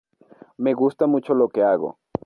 Me gusta mucho lo que hago.